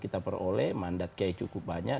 kita peroleh mandat kiai cukup banyak